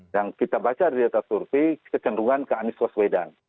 yang kita baca di data survei kecenderungan ke anies waswedan